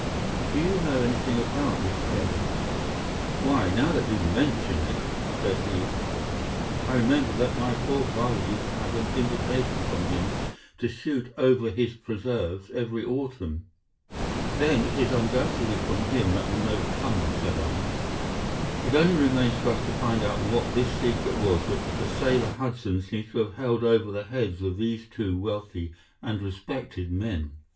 Do you know anything of this Beddoes?' "'Why, now that you mention it,' said he, 'I remember that my poor father used to have an invitation from him to shoot over his preserves every autumn.' "'Then it is undoubtedly from him that the note comes,' said I. 'It only remains for us to find out what this secret was which the sailor Hudson seems to have held over the heads of these two wealthy and respected men.